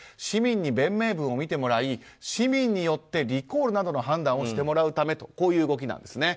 市民に弁明文を見てもらい市民によってリコールなどの判断をしてもらうためということです。